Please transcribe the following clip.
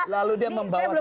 lalu dia membawa teknologi